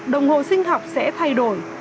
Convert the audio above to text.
đồng hồ sinh học sẽ thay đổi